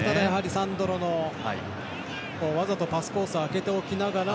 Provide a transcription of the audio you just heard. サンドロのわざとパスコースを空けておきながら